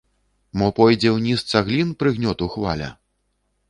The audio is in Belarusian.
Мо пойдзе ўніз цаглін прыгнёту хваля?